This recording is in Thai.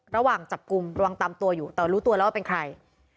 ระหว่างจับกลุ่มระวังตามตัวอยู่แต่รู้ตัวแล้วว่าเป็นใคร